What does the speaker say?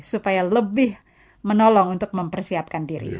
supaya lebih menolong untuk mempersiapkan diri